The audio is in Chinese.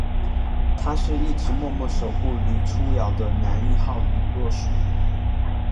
他是一直默默守护黎初遥的男一号李洛书！